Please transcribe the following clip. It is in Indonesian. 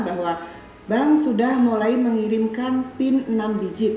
bahwa bank sudah mulai mengirimkan pin enam digit